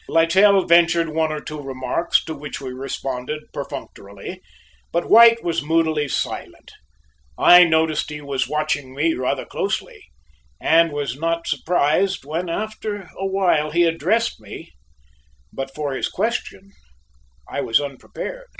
Littell ventured one or two remarks to which we responded perfunctorily, but White was moodily silent. I noticed he was watching me rather closely, and was not surprised when after a while he addressed me, but for his question I was unprepared.